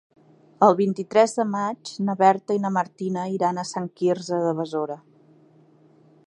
El vint-i-tres de maig na Berta i na Martina iran a Sant Quirze de Besora.